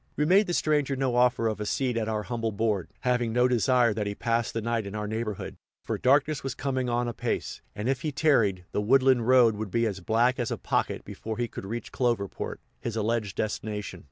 We made the stranger no offer of a seat at our humble board, having no desire that he pass the night in our neighborhood; for darkness was coming on apace, and, if he long tarried, the woodland road would be as black as a pocket before he could reach Cloverport, his alleged destination.